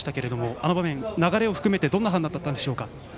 あの場面、流れを含めてどんな判断だったんでしょうか。